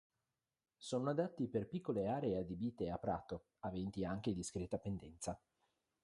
Sono adatti per piccole aree adibite a prato rasato, aventi anche discreta pendenza.